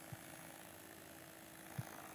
Tartibsiz - betartib